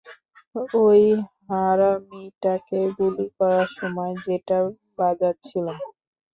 ওই হারামিটাকে গুলি করার সময় যেটা বাজাচ্ছিলাম।